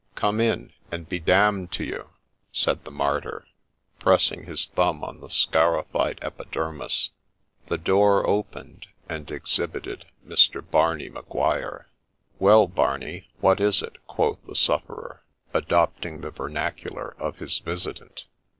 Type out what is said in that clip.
' Come in, and be d — d to you !' said the martyr, pressing his thumb on the scarified epidermis. — The door opened, and exhibited Mr. Barney Maguire. ' Well, Barney, what is it ?' quoth the sufferer, adopting the vernacular of his visitant.